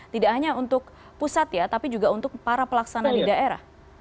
tidak hanya untuk pusat ya tapi juga untuk para pelaksana di daerah